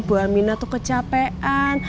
bu aminah tuh kecapean